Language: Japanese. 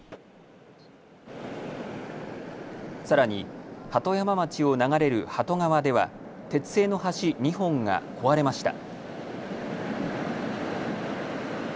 さらに鳩山町を流れる鳩川では鉄製の橋２本が壊れました。